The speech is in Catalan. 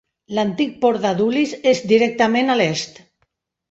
L'antic port d'Adulis és directament a l'est.